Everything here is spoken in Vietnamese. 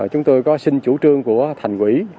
chúng tôi có xin chủ trương của thành quỹ